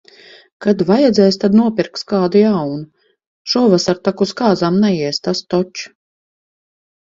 Kad vajadzēs, tad nopirks kādu jaunu. Šovasar tak uz kāzām neies, tas toč.